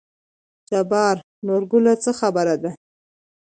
جبار: نورګله څه خبره ده.